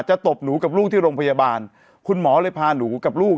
ตบหนูกับลูกที่โรงพยาบาลคุณหมอเลยพาหนูกับลูก